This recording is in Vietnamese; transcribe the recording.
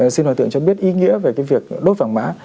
xin hòa thượng cho biết ý nghĩa về việc đốt vàng mã